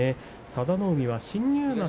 佐田の海は新入幕